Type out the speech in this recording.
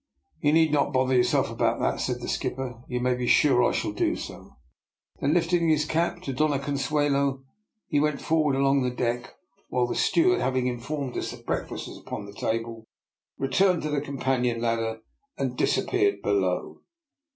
" You need not bother yourself about that," said the skipper: " you may be sure I shall do so." Then lifting his cap to the Dofia Con DR. NIKOLA'S EXPERIMENT. 121 suelo, he went forward along the deck; while the steward, having informed us that break fast was upon the table, returned to the com panion ladder and disappeared below.